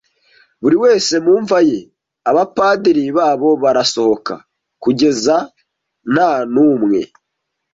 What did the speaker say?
Buri wese mu mva ye abapadiri babo barasohoka, kugeza nta n'umwe